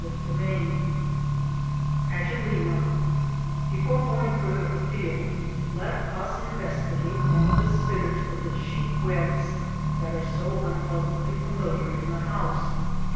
CHAPTER VI AGELENA Before going farther afield, let us investigate one of the spinners of the sheet webs that are so unpleasantly familiar in the house.